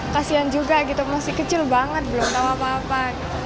kasian juga gitu masih kecil banget belum tahu apa apa